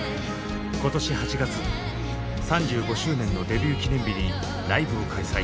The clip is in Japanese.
今年８月３５周年のデビュー記念日にライブを開催。